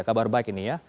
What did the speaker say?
kabar baik ini ya